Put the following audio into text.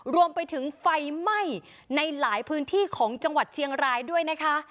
รวมไปถึงไฟไหม้ในหลายพื้นที่ของจังหวัดเชียงรายด้วยนะคะ